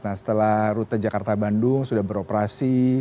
nah setelah rute jakarta bandung sudah beroperasi